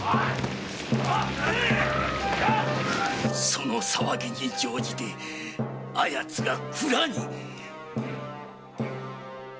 その騒ぎに乗じてあやつが蔵に！